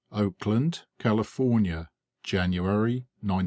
OAKLAND, CALIFORNIA. January 1900.